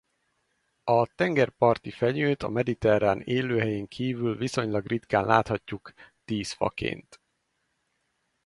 A tengerparti fenyőt a mediterrán élőhelyén kívül viszonylag ritkán láthatjuk díszfaként.